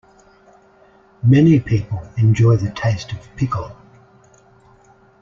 Many people enjoy the taste of pickle.